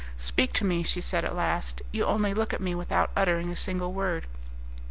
"Speak to me," she said at last; "you only look at me without uttering a single word.